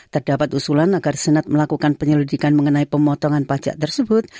terdapat usulan agar senat melakukan penyelidikan mengenai pemotongan pajak tersebut